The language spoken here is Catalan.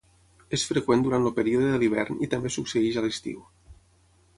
És freqüent durant el període de l'hivern i també succeeix a l'estiu.